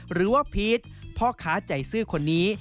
หรือว่าพีชพ่อค้าใจซื้อคนนี้